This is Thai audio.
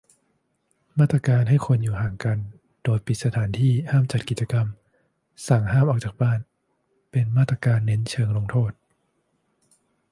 มาตรการให้คนอยู่ห่างกัน โดยปิดสถานที่ ห้ามจัดกิจกรรม สั่งห้ามออกจากบ้าน เป็นมาตรการเน้นเชิงลงโทษ